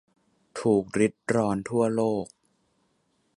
ถูกริดรอนทั่วโลก